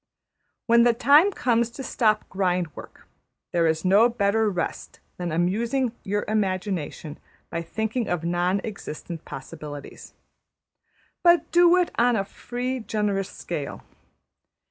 When the time comes to stop grind work, there is no better rest than amusing your imagination by thinking of non existent possibilities; but do it on a free, generous scale.